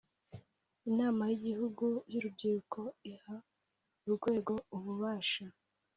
Inama y’Igihugu y’Urubyiruko iha urwego ububasha